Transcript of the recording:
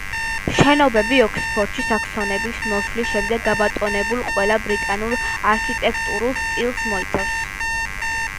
შენობები ოქსფორდში საქსონების მოსვლის შემდეგ გაბატონებულ ყველა ბრიტანულ არქიტექტურულ სტილს მოიცავს.